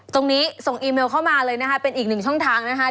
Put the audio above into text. ตรงนี้ส่งอีเมลเข้ามาเลยนะคะเป็นอีกหนึ่งช่องทางนะคะ